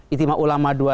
istimewa ulama dua